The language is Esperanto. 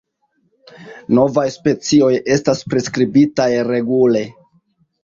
Novaj specioj estas priskribitaj regule.